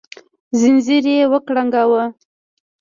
ځنځير يې وکړانګاوه